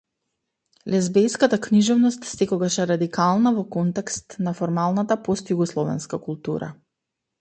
Лезбејската книжевност секогаш е радикална во контекст на формалната постјугословенска култура.